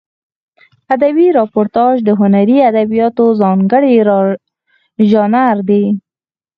ادبي راپورتاژ د هنري ادبیاتو ځانګړی ژانر دی.